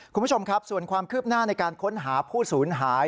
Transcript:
คุณผู้ชมครับส่วนความคืบหน้าในการค้นหาผู้สูญหาย